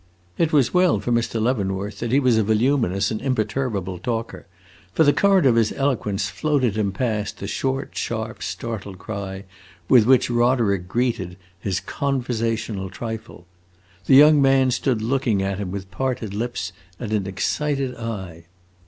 It was well for Mr. Leavenworth that he was a voluminous and imperturbable talker; for the current of his eloquence floated him past the short, sharp, startled cry with which Roderick greeted his "conversational trifle." The young man stood looking at him with parted lips and an excited eye.